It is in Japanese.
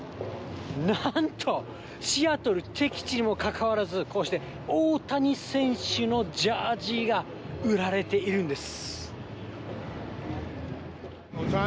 なんと、シアトル、敵地にもかかわらず、こうして大谷選手のジャージが売られているんです。